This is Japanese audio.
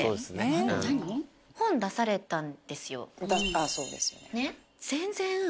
ああそうですね。